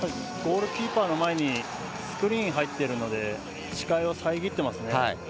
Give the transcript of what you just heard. ゴールキーパーの前にスクリーン入っているので視界を遮っていますね。